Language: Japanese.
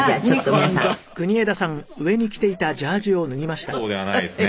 「硬い方ではないですね」